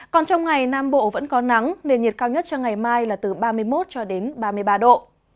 còn trong ngày nam bộ vẫn có nắng nên nhiệt cao nhất cho ngày mai là từ ba mươi một ba mươi ba độ